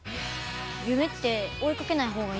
夢って追い掛けないほうがいいの？